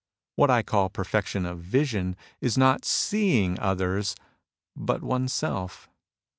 What I call perfection of vision is not seeing others, but oneself.